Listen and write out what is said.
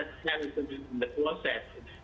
selisih di kloset